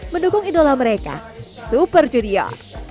mendukung idola mereka super junior